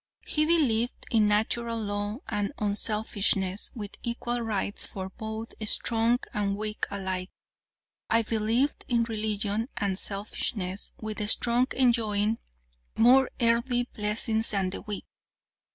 "'He believed in Natural Law and unselfishness, with equal rights for both strong and weak alike. I believed in religion and selfishness, with the strong enjoying more earthly blessings than the weak.